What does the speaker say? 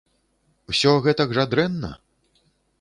Усё гэтак жа дрэнна?